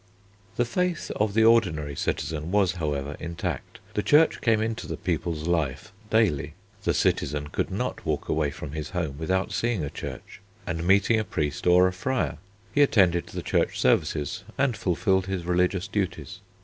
The faith of the ordinary citizen was, however, intact. The Church came into the people's life daily. The citizen could not walk away from his home without seeing a church, and meeting a priest or a friar. He attended the Church services and fulfilled his religious duties.